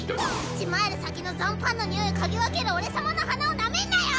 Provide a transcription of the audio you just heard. １マイル先の残飯の匂いを嗅ぎ分ける俺様の鼻をなめんなよ！